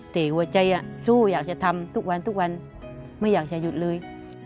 แต่หัวใจสู้อยากจะทำทุกวันทุกวันไม่อยากจะหยุดเลย